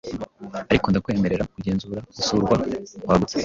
Ariko ndakwemerera kugenzura gusurwa kwagutse